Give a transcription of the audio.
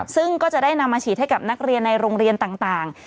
ซึ่งก็จะได้นำมาฉีดให้กับนักเรียนในโรงเรียนต่าง